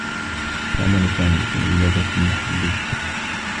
يعمل سامي في عيادة محلّيّة.